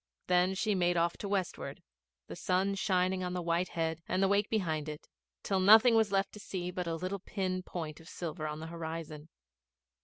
Then she made off to the westward, the sun shining on the white head and the wake behind it, till nothing was left to see but a little pin point of silver on the horizon.